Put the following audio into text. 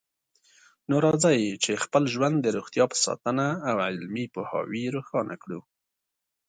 نو راځئ چې خپل ژوند د روغتیا په ساتنه او علمي پوهاوي روښانه کړو